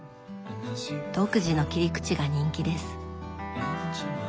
独自の切り口が人気です。